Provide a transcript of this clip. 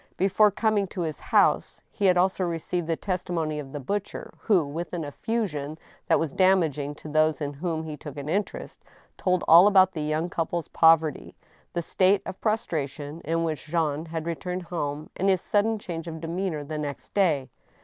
Before coming to his house he had also received the testimony of the butcher, who, with an effusion that was damaging to those in whom he took an interest, told all about the young couple's poverty, the state of prostration in which Jean had returned home, and his sudden change of demeanor the next day.